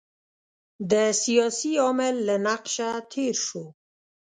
د سیاسي عامل له نقشه تېر شو.